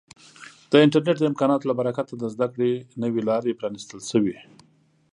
د انټرنیټ د امکاناتو له برکته د زده کړې نوې لارې پرانیستل شوي.